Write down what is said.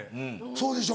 そうでしょ。